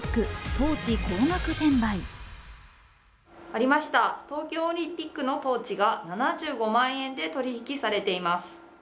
ありました、東京オリンピックのトーチが７５万円で取り引きされています。